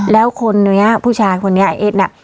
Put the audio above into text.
แล้วคนนี้ผู้ชายคนนี้ไอ้เอ็ดน่ะ